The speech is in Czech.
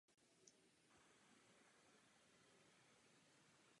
Hlasování probíhalo na internetu.